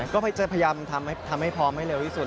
ก็จะพยายามทำให้พร้อมให้เร็วที่สุด